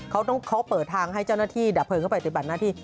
เขาเปิดทางให้เจ้าหน้าที่ดับเพลิงเข้าไปปฏิบัติหน้าที่